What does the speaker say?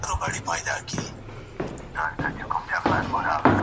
دا ماشوم چې په غېږ کې دی لا تر اوسه نه دی ویده شوی.